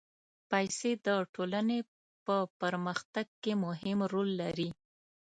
پېسې د ټولنې په پرمختګ کې مهم رول لري.